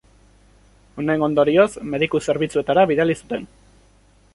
Honen ondorioz, mediku zerbitzuetara bidali zuten.